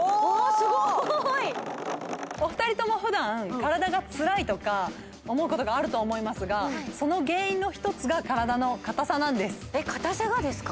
すごーいお二人とも普段体がつらいとか思うことがあると思いますがその原因の１つが体の硬さなんです硬さがですか？